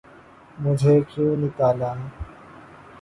''مجھے کیوں نکالا‘‘۔